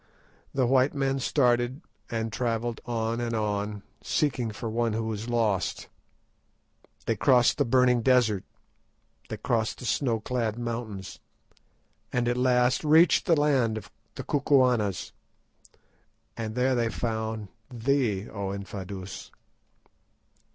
The white men started and travelled on and on, seeking for one who is lost. They crossed the burning desert, they crossed the snow clad mountains, and at last reached the land of the Kukuanas, and there they found thee, O Infadoos."